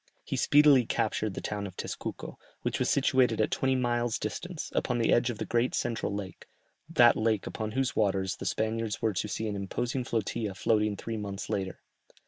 He speedily captured the town of Tezcuco, which was situated at twenty miles' distance, upon the edge of the great central lake, that lake upon whose waters the Spaniards were to see an imposing flotilla floating three months later.